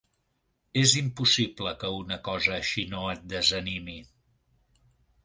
És impossible que una cosa així no et desanimi.